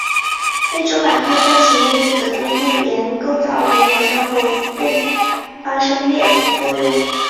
非洲板块在其内部的东部沿着构造和火山活动区阿法尔三角和东非大裂谷发生裂谷作用。